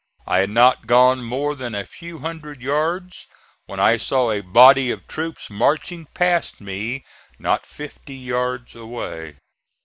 I had not gone more than a few hundred yards when I saw a body of troops marching past me not fifty yards away.